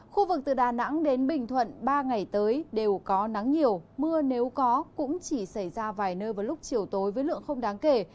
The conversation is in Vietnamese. khu vực từ đà nẵng đến bình thuận ba ngày tới đều có nắng nhiều mưa nếu có cũng chỉ xảy ra vài nơi vào lúc chiều tối với lượng không đáng kể